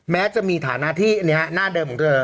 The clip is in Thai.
แม้จะมีฐานะที่หน้าเดิมของเธอ